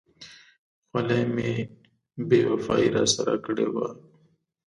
خولۍ مې بې وفایي را سره کړې وه.